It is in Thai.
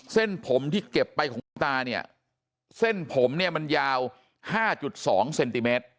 เส้นผมที่เก็บไปของคุณตาเนี่ยเส้นผมเนี่ยมันยาว๕๒เซนติเมตร